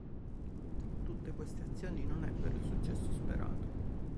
Tutte queste azioni non ebbero il successo sperato.